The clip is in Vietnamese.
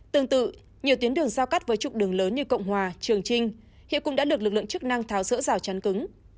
tương tự nhiều tuyến đường giao cắt với trục đường lớn như cộng hòa trường trinh hiện cũng đã được lực lượng chức năng tháo rỡ rào chắn cứng